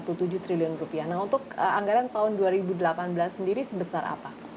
nah untuk anggaran tahun dua ribu delapan belas sendiri sebesar apa